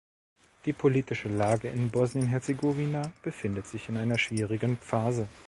Die politische Lage in Bosnien-Herzegowina befindet sich in einer schwierigen Phase.